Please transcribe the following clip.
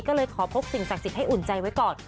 ก็เลยขอพกสิ่งศักดิ์สิทธิ์ให้อุ่นใจไว้ก่อน